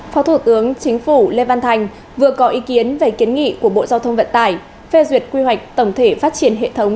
phó thủ tướng chính phủ lê văn thành vừa có ý kiến về kiến nghị của bộ giao thông vận tải phê duyệt quy hoạch tổng thể phát triển hệ thống